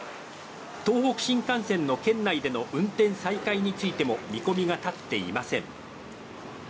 東北新幹線の県内での運転再開についても見込みが立っていません。